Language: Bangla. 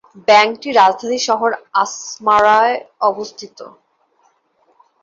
ব্যাংকটি রাজধানী শহর আস্মারায় অবস্থিত।